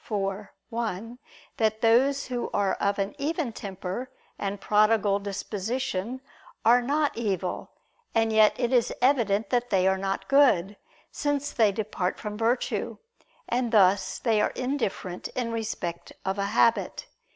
iv, 1) that those who are of an even temper and prodigal disposition are not evil; and yet it is evident that they are not good, since they depart from virtue; and thus they are indifferent in respect of a habit.